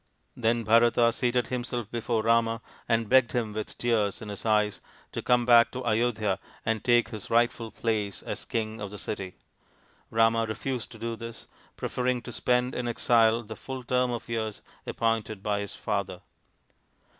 Then^Bharata seated himself before Rama and begged him with tears in his eyes to come back to Ayodhya and take his rightful place as king of the city. Rama refused to do this, preferring to spend in exile the full term of years appointed by his father.